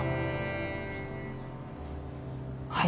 はい。